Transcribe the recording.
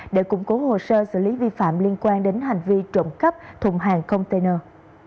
để củng cố hồ sơ xử lý vi phạm liên quan đến hành vi trộm cắp thùng hàng container